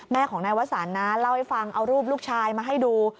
แม่ของนายวสันนะเล่าให้ฟังเอารูปลูกชายมาให้ดู